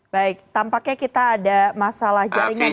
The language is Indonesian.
baik tampaknya kita ada masalah jaringan